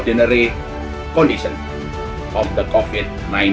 di belakang kondisi luar biasa covid sembilan belas